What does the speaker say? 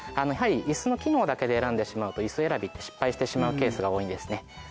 やはり椅子の機能だけで選んでしまうと椅子選びって失敗してしまうケースが多いんですね。